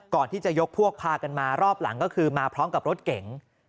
ก่อนที่จะยกพวกพากันมารอบหลังก็คือมาพร้อมกับรถเก๋ง